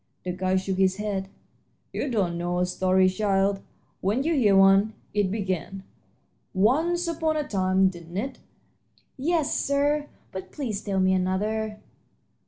The guide shook his head. "You don't know a story, child, when you hear one. It began, 'Once upon a time,' didn't it?" "Yes, sir; but please tell me another."